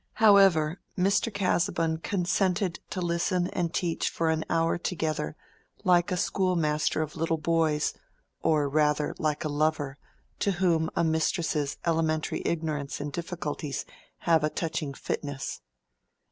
However, Mr. Casaubon consented to listen and teach for an hour together, like a schoolmaster of little boys, or rather like a lover, to whom a mistress's elementary ignorance and difficulties have a touching fitness.